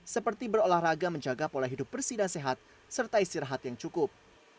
seperti berolahraga menjaga pola hidup bersih dan sehat serta istirahat yang cukup